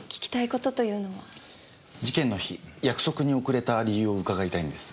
事件の日約束に遅れた理由を伺いたいんです。